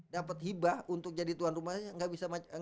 dapat hibah untuk jadi tuan rumah